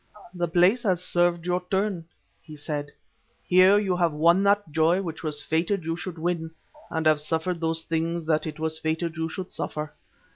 "The place has served your turn," he said; "here you have won that joy which it was fated you should win, and have suffered those things that it was fated you should suffer.